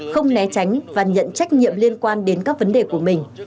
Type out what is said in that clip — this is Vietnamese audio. không né tránh và nhận trách nhiệm liên quan đến các vấn đề của mình